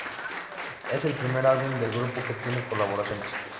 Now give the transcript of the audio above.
Es el primer álbum del grupo que tiene colaboraciones.